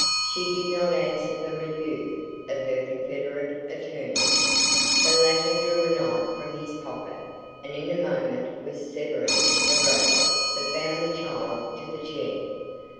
She did not answer the rebuke of her confederate attorney. The latter drew a knife from his pocket and in a moment was severing the rope that bound the child to the chair.